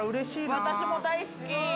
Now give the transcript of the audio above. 私も大好き。